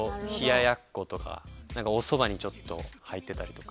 おそばにちょっと入ってたりとか。